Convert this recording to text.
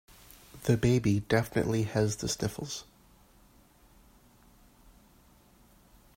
The baby definitely has the sniffles.